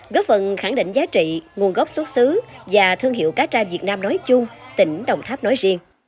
góp phần khẳng định giá trị nguồn gốc xuất xứ và thương hiệu cá tra việt nam nói chung tỉnh đồng tháp nói riêng